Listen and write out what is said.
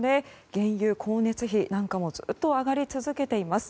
原油、光熱費なんかもずっと上がり続けています。